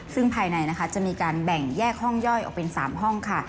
ซึ่งภายในนะคะจะมีการแบ่งแยกห้องย่อยออกเป็น๓ห้องค่ะ